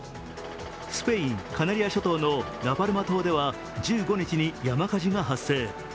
スペイン・カナリア諸島のラ・パルマ島では、１５日に山火事が発生。